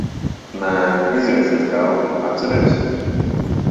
Nē. Iziešu ar Helgu, atceries?